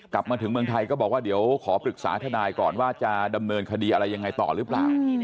กลับมาถึงเมืองไทยก็บอกว่าเดี๋ยวขอปรึกษาทนายก่อนว่าจะดำเนินคดีอะไรยังไงต่อหรือเปล่า